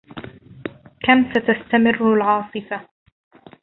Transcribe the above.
كم ستستمر العاصفة؟